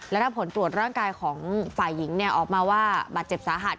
และถ้าผลตรวจร่างกายของฝ่ายหญิงออกมาว่าบาดเจ็บสาหัส